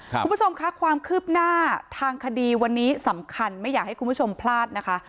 คุณผู้ชมค่ะความคืบหน้าทางคดีวันนี้สำคัญไม่อยากให้คุณผู้ชมพลาดนะคะ